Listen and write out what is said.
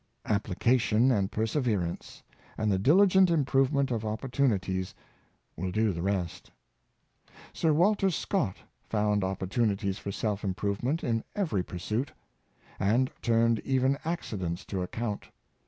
Application and per severance, and the diligent improvement of opportuni ties will do the rest. Sir Walter Scott found opportunities for self improve ment in every pursuit, and turned even accidents to ac 254 Dr, Priestley, count.